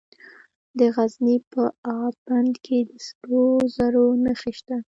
د غزني په اب بند کې د سرو زرو نښې شته.